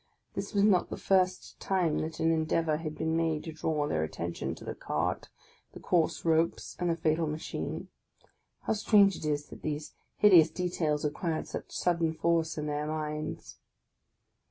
This was not the first tin e that an endeavour had been made to draw their attention to the cart, the coarse ropes, and the fatal machine. How strange it is that these hideous details acquired such sudden force in their minds